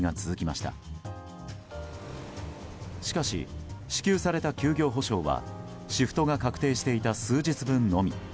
しかし、支給された休業補償はシフトが確定していた数日分のみ。